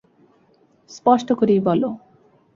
স্পষ্ট করেই বলো।